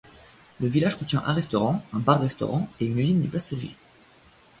Le village contient un restaurant, un bar-restaurant et une usine de plasturgie.